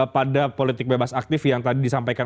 pada politik bebas aktif yang tadi disampaikan